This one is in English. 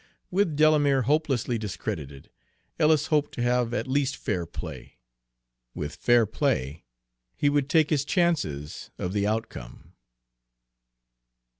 With Delamere hopelessly discredited, Ellis hoped to have at least fair play, with fair play, he would take his chances of the outcome.